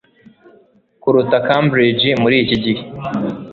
kuruta cambridge muri iki gihe